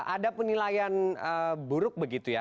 ada penilaian buruk begitu ya